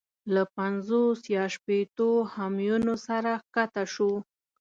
له پنځوس یا شپېتو همیونو سره کښته شو.